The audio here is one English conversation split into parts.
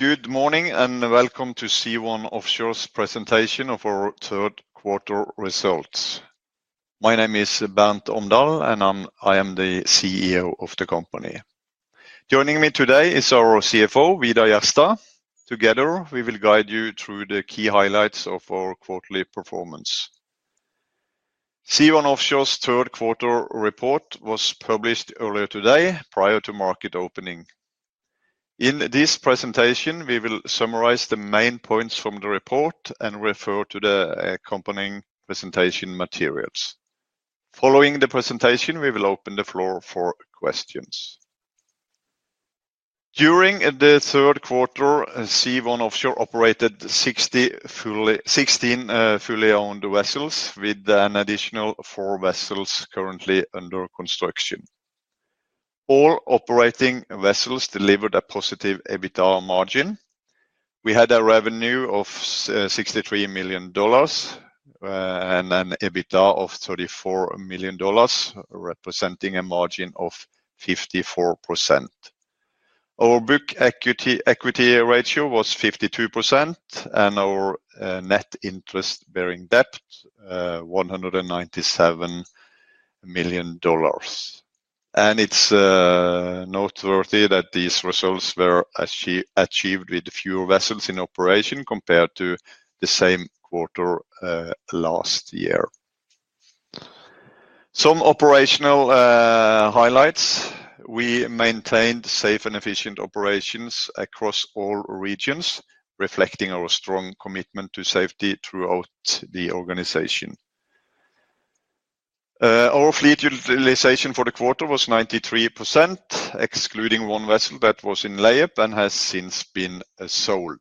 Good morning and welcome to Sea1 Offshore's presentation of our third-quarter results. My name is Bernt Omdal, and I am the CEO of the company. Joining me today is our CFO, Vidar Jerstad. Together, we will guide you through the key highlights of our quarterly performance. Sea1 Offshore's third-quarter report was published earlier today, prior to market opening. In this presentation, we will summarize the main points from the report and refer to the accompanying presentation materials. Following the presentation, we will open the floor for questions. During the third quarter, Sea1 Offshore operated 16 fully-owned vessels, with an additional four vessels currently under construction. All operating vessels delivered a positive EBITDA margin. We had a revenue of $63 million and an EBITDA of $34 million, representing a margin of 54%. Our book equity ratio was 52%, and our net interest-bearing debt was $197 million. It's noteworthy that these results were achieved with fewer vessels in operation compared to the same quarter last year. Some operational highlights: we maintained safe and efficient operations across all regions, reflecting our strong commitment to safety throughout the organization. Our fleet utilization for the quarter was 93%, excluding one vessel that was in layup and has since been sold.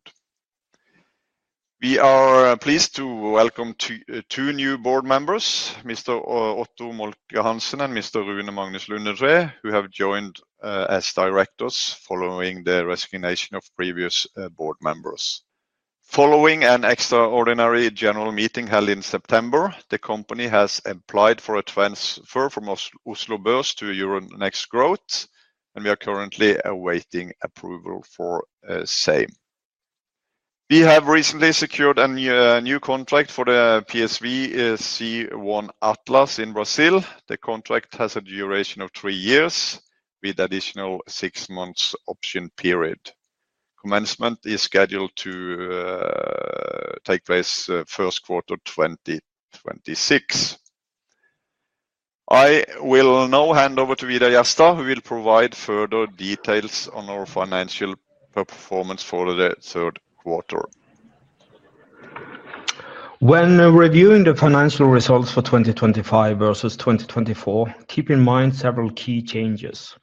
We are pleased to welcome two new board members, Mr. Otto Moltke-Hansen and Mr. Rune Magnus Lundetræ, who have joined as directors following the resignation of previous board members. Following an extraordinary general meeting held in September, the company has applied for a transfer from Oslo Børs to Euronext Growth, and we are currently awaiting approval for the same. We have recently secured a new contract for the PSV Sea1 Atlas in Brazil. The contract has a duration of three years, with an additional six-month option period. Commencement is scheduled to take place in the first quarter of 2026. I will now hand over to Vidar Jerstad, who will provide further details on our financial performance for the third quarter. When reviewing the financial results for 2025 versus 2024, keep in mind several key changes.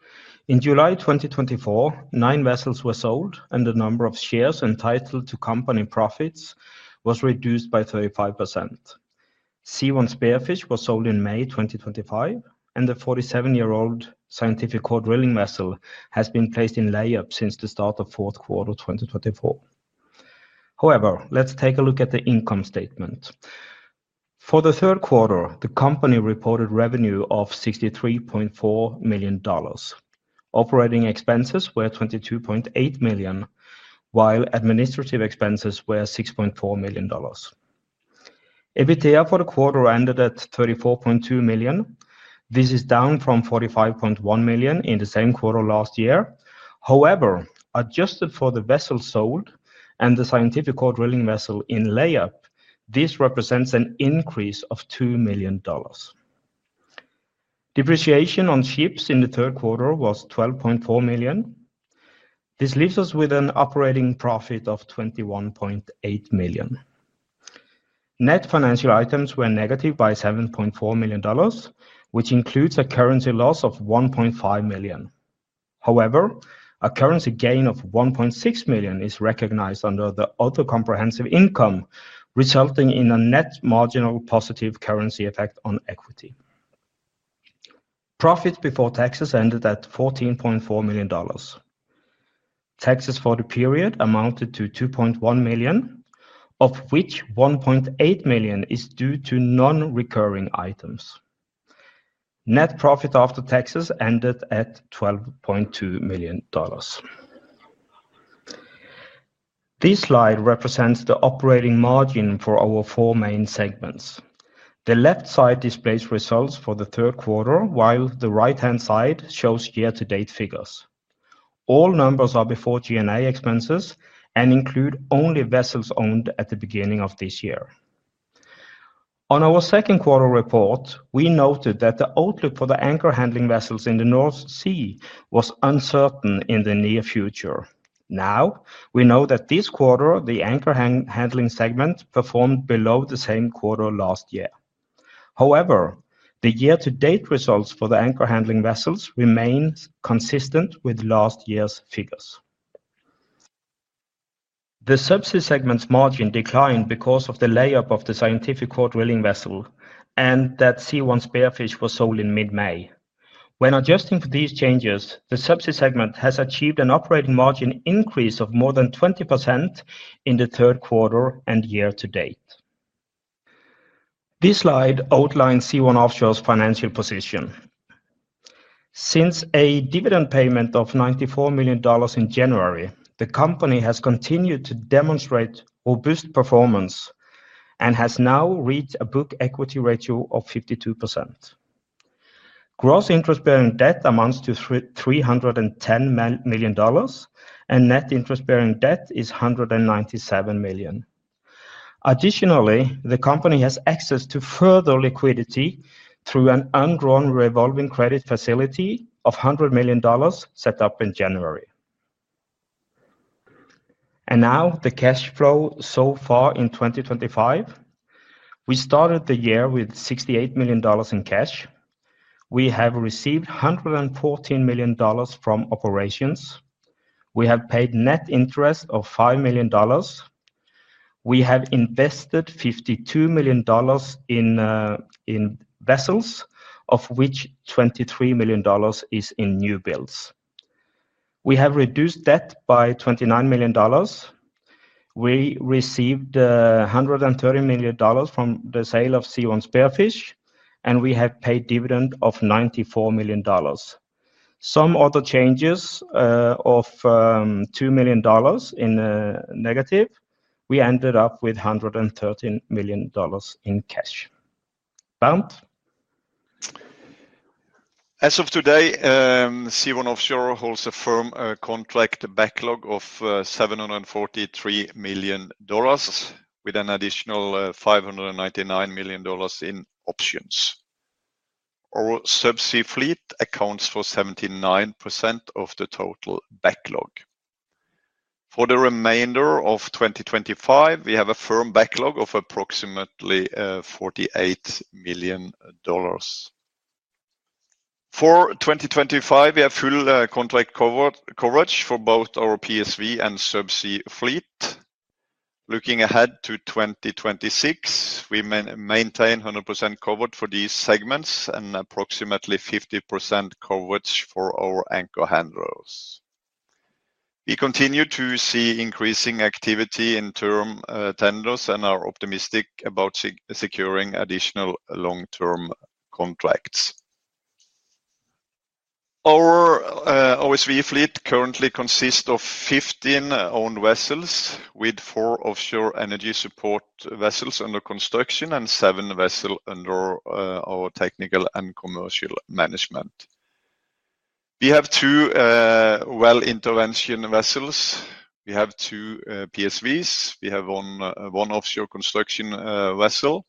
In July 2024, nine vessels were sold, and the number of shares entitled to company profits was reduced by 35%. Sea1 Spearfish was sold in May 2025, and the 47-year-old scientific core drilling vessel has been placed in layup since the start of the fourth quarter of 2024. However, let's take a look at the income statement. For the third quarter, the company reported revenue of $63.4 million. Operating expenses were $22.8 million, while administrative expenses were $6.4 million. EBITDA for the quarter ended at $34.2 million. This is down from $45.1 million in the same quarter last year. However, adjusted for the vessel sold and the scientific core drilling vessel in layup, this represents an increase of $2 million. Depreciation on ships in the third quarter was $12.4 million. This leaves us with an operating profit of $21.8 million. Net financial items were negative by $7.4 million, which includes a currency loss of $1.5 million. However, a currency gain of $1.6 million is recognized under the auto comprehensive income, resulting in a net marginal positive currency effect on equity. Profit before taxes ended at $14.4 million. Taxes for the period amounted to $2.1 million, of which $1.8 million is due to non-recurring items. Net profit after taxes ended at $12.2 million. This slide represents the operating margin for our four main segments. The left side displays results for the third quarter, while the right-hand side shows year-to-date figures. All numbers are before G&A expenses and include only vessels owned at the beginning of this year. On our second quarter report, we noted that the outlook for the anchor handling vessels in the North Sea was uncertain in the near future. Now, we know that this quarter, the anchor handling segment performed below the same quarter last year. However, the year-to-date results for the anchor handling vessels remain consistent with last year's figures. The subsea segment's margin declined because of the layup of the scientific core drilling vessel and that Sea1 Spearfish was sold in mid-May. When adjusting for these changes, the subsea segment has achieved an operating margin increase of more than 20% in the third quarter and year-to-date. This slide outlines Sea1 Offshore's financial position. Since a dividend payment of $94 million in January, the company has continued to demonstrate robust performance and has now reached a book equity ratio of 52%. Gross interest-bearing debt amounts to $310 million, and net interest-bearing debt is $197 million. Additionally, the company has access to further liquidity through an ongoing revolving credit facility of $100 million set up in January. Now, the cash flow so far in 2025. We started the year with $68 million in cash. We have received $114 million from operations. We have paid net interest of $5 million. We have invested $52 million in vessels, of which $23 million is in new builds. We have reduced debt by $29 million. We received $130 million from the sale of Sea1 Spearfish, and we have paid dividend of $94 million. Some other changes of $2 million in negative, we ended up with $113 million in cash. Bernt. As of today, Sea1 Offshore holds a firm contract backlog of $743 million, with an additional $599 million in options. Our subsea fleet accounts for 79% of the total backlog. For the remainder of 2025, we have a firm backlog of approximately $48 million. For 2025, we have full contract coverage for both our PSV and subsea fleet. Looking ahead to 2026, we maintain 100% coverage for these segments and approximately 50% coverage for our anchor handlers. We continue to see increasing activity in term tenders and are optimistic about securing additional long-term contracts. Our OSV fleet currently consists of 15 owned vessels, with four offshore energy support vessels under construction and seven vessels under our technical and commercial management. We have two well-intervention vessels, two PSVs, one offshore construction vessel,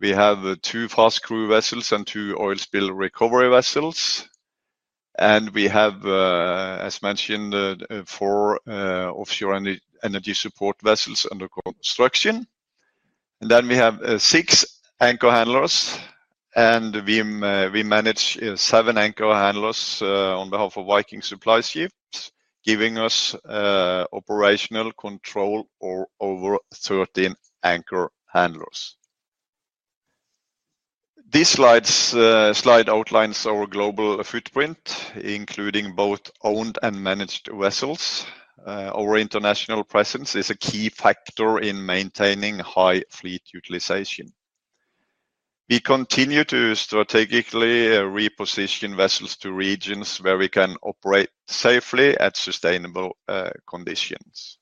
two fast crew vessels, and two oil spill recovery vessels. We have, as mentioned, four offshore energy support vessels under construction. We have six anchor handlers, and we manage seven anchor handlers on behalf of Viking Supply Ships, giving us operational control over 13 anchor handlers. This slide outlines our global footprint, including both owned and managed vessels. Our international presence is a key factor in maintaining high fleet utilization. We continue to strategically reposition vessels to regions where we can operate safely at sustainable conditions.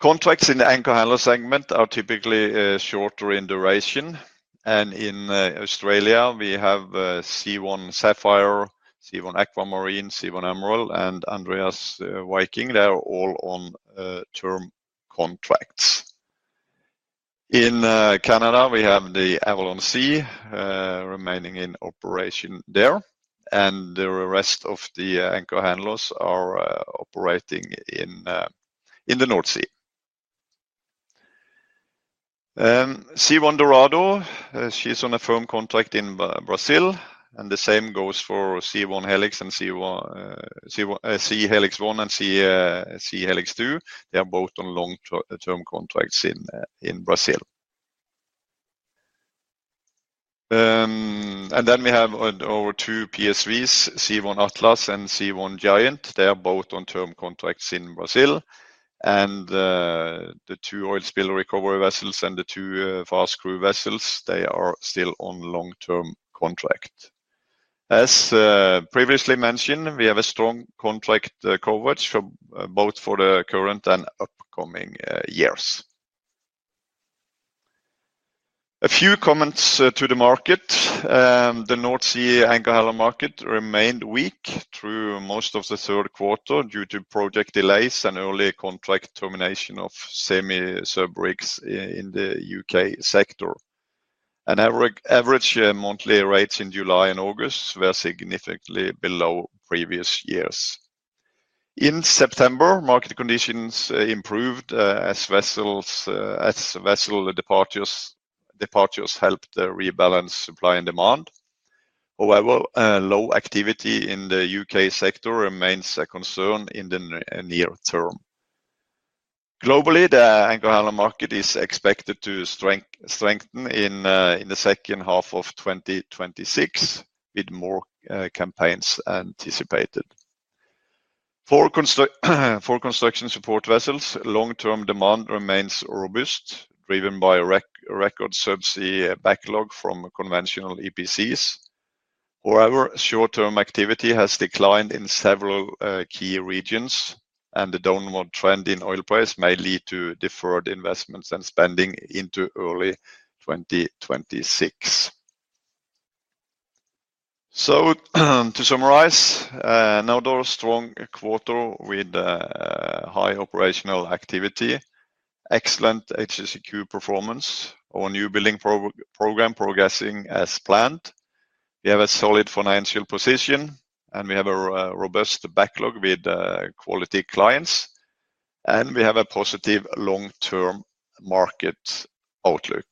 Contracts in the anchor handler segment are typically shorter in duration. In Australia, we have Sea1 Sapphire, Sea1 Aquamarine, Sea1 Emerald, and Andreas Viking. They are all on term contracts. In Canada, we have the Avalon Sea remaining in operation there, and the rest of the anchor handlers are operating in the North Sea. Sea1 Dorado is on a firm contract in Brazil, and the same goes for Sea1 Helix 1 and Sea1 Helix 2. They are both on long-term contracts in Brazil. We have our two PSVs, Sea1 Atlas and Sea1 Giant. They are both on term contracts in Brazil. The two oil spill recovery vessels and the two fast crew vessels are still on long-term contract. As previously mentioned, we have a strong contract coverage both for the current and upcoming years. A few comments to the market. The North Sea anchor handler market remained weak through most of the third quarter due to project delays and early contract termination of semi-sub rigs in the U.K. sector. Average monthly rates in July and August were significantly below previous years. In September, market conditions improved as vessel departures helped rebalance supply and demand. However, low activity in the U.K. sector remains a concern in the near term. Globally, the anchor handling tug supply vessels market is expected to strengthen in the second half of 2026, with more campaigns anticipated. For construction support vessels, long-term demand remains robust, driven by a record subsea backlog from conventional EPCs. However, short-term activity has declined in several key regions, and the downward trend in oil price may lead to deferred investments and spending into early 2026. To summarize, another strong quarter with high operational activity, excellent HSEQ performance, our new billing program progressing as planned. We have a solid financial position, a robust backlog with quality clients, and a positive long-term market outlook.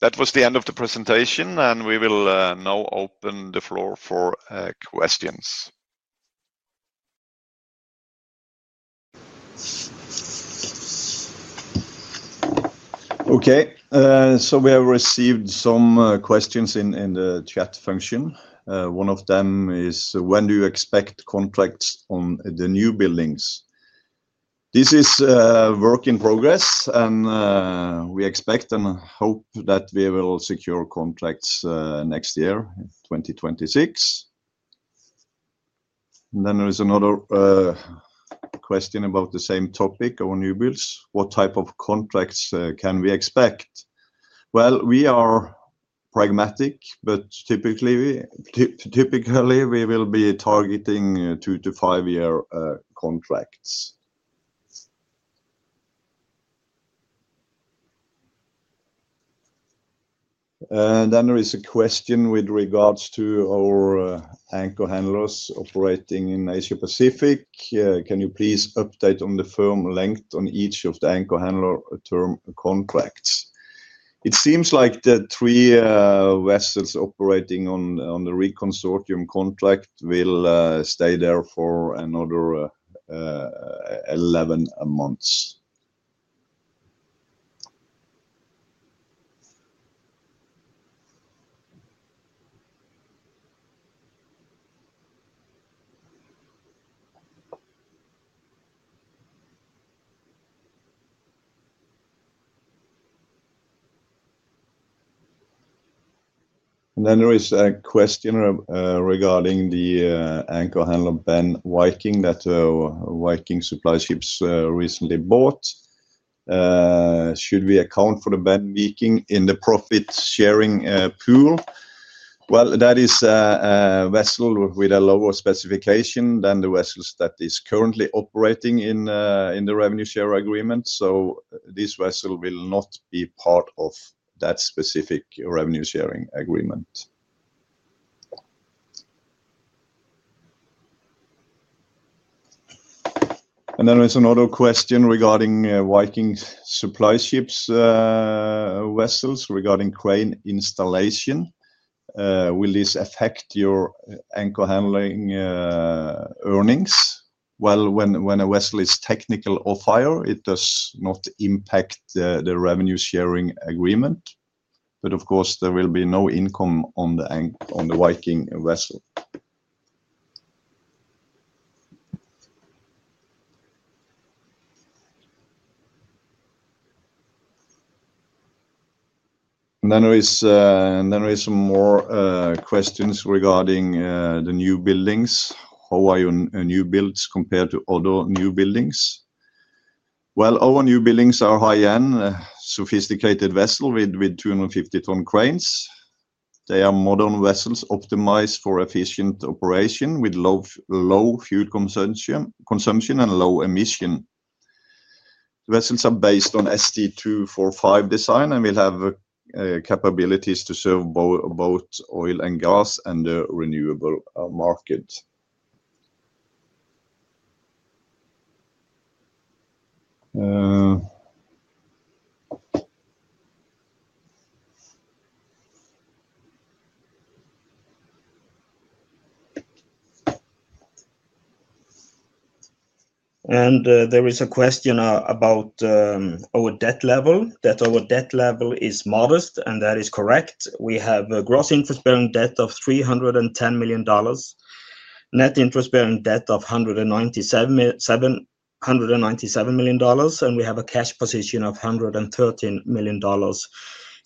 That was the end of the presentation, and we will now open the floor for questions. Okay, so we have received some questions in the chat function. One of them is, when do you expect contracts on the new buildings? This is a work in progress, and we expect and hope that we will secure contracts next year, 2026. There is another question about the same topic, our new builds. What type of contracts can we expect? We are pragmatic, but typically we will be targeting two to five-year contracts. There is a question with regards to our anchor handlers operating in Asia-Pacific. Can you please update on the firm length on each of the anchor handler term contracts? It seems like the three vessels operating on the reconciliation contract will stay there for another 11 months. There is a question regarding the anchor handler, Ben Viking, that Viking Supply Ships recently bought. Should we account for the Ben Viking in the profit sharing pool? That is a vessel with a lower specification than the vessels that are currently operating in the revenue sharing agreement. This vessel will not be part of that specific revenue sharing agreement. There is another question regarding Viking Supply Ships vessels regarding crane installation. Will this affect your anchor handling earnings? When a vessel is technical or fire, it does not impact the revenue sharing agreement. Of course, there will be no income on the Viking vessel. There are some more questions regarding the new buildings. How are your new builds compared to other new buildings? Our new buildings are high-end, sophisticated vessels with 250-ton cranes. They are modern vessels optimized for efficient operation with low fuel consumption and low emission. The vessels are based on ST-245 design and will have capabilities to serve both oil and gas and the renewable market. There is a question about our debt level. Our debt level is modest, and that is correct. We have a gross interest-bearing debt of $310 million, net interest-bearing debt of $197 million, and we have a cash position of $113 million.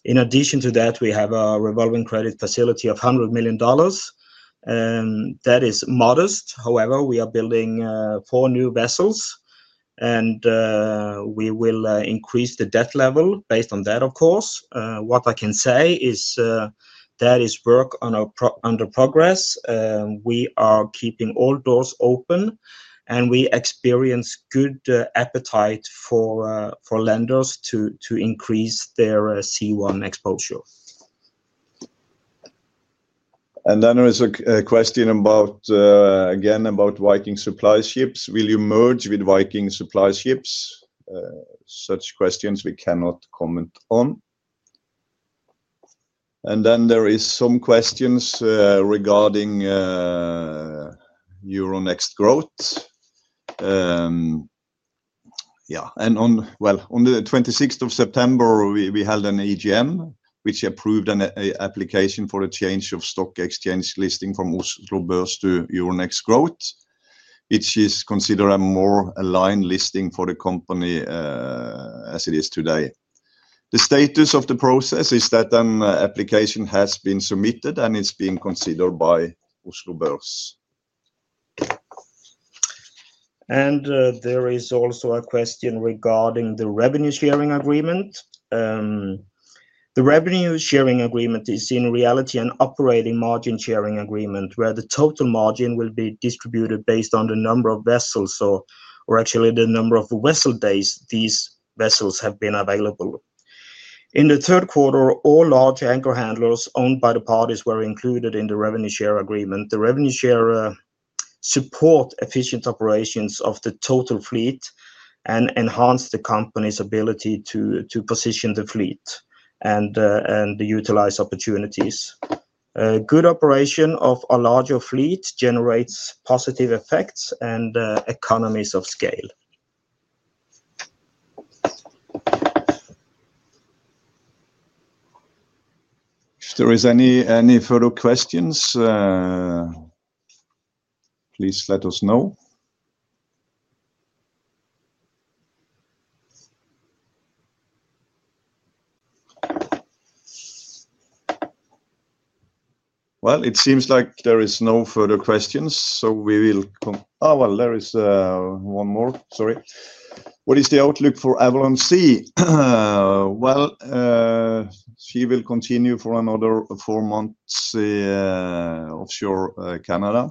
In addition to that, we have a revolving credit facility of $100 million. That is modest. However, we are building four new vessels, and we will increase the debt level based on that, of course. What I can say is that is work under progress. We are keeping all doors open, and we experience good appetite for lenders to increase their Sea1 exposure. There is a question again about Viking Supply Ships. Will you merge with Viking Supply Ships? Such questions we cannot comment on. There are some questions regarding Euronext Growth. On the 26th of September, we held an EGM, which approved an application for the change of stock exchange listing from Oslo Børs to Euronext Growth, which is considered a more aligned listing for the company. As it is today, the status of the process is that an application has been submitted, and it's being considered by Oslo Børs. There is also a question regarding the revenue sharing agreement. The revenue sharing agreement is, in reality, an operating margin sharing agreement where the total margin will be distributed based on the number of vessels or actually the number of vessel days these vessels have been available. In the third quarter, all large anchor handling tug supply vessels owned by the parties were included in the revenue sharing agreement. The revenue sharing agreement supports efficient operations of the total fleet and enhances the company's ability to position the fleet and utilize opportunities. Good operation of a larger fleet generates positive effects and economies of scale. If there are any further questions, please let us know. It seems like there are no further questions, so we will—oh, there is one more. Sorry. What is the outlook for Avalon Sea? She will continue for another four months offshore Canada.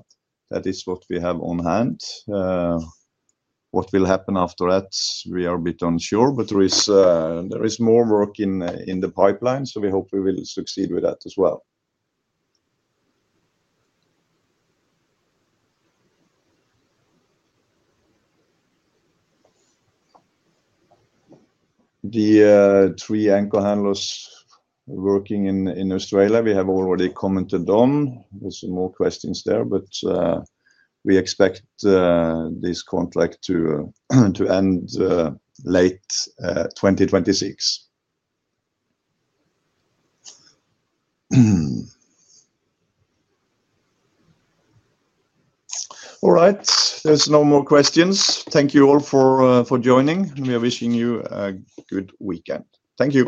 That is what we have on hand. What will happen after that, we are a bit unsure, but there is more work in the pipeline, so we hope we will succeed with that as well. The three anchor handling tug supply vessels working in Australia, we have already commented on. There are some more questions there, but we expect this contract to end late 2026. All right, there's no more questions. Thank you all for joining. We are wishing you a good weekend. Thank you.